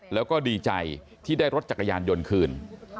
แล้วก็ดีใจที่ได้รถจักรยานยนต์คืน